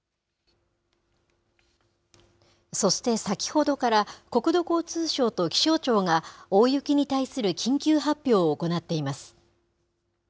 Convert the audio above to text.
そして先ほどから、国土交通省と気象庁が、大雪に対する緊急発表を行っています。